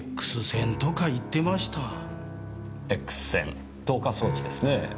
Ｘ線透過装置ですねぇ。